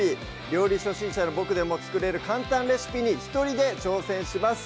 料理初心者のボクでも作れる簡単レシピに一人で挑戦します